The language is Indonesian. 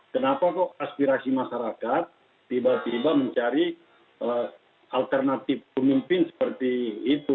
kenapa kok aspirasi masyarakat tiba tiba mencari alternatif pemimpin seperti itu